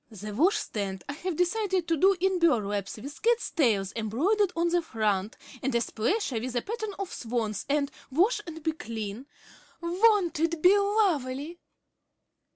The washstand I have decided to do in burlaps with cat tails embroidered on the front, and a splasher with a pattern of swans and, 'Wash and be clean.' Won't it be lovely?